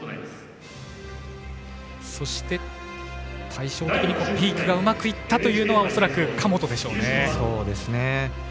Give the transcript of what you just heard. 対照的にピークがうまくいったというのは恐らく神本でしょうね。